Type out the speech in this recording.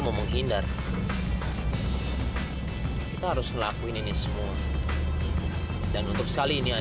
udah lo dimaja bu nggak bisa kayak gitu lah